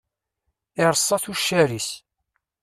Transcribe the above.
Iretta tuccar-is.